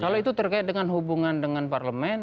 kalau itu terkait dengan hubungan dengan parlemen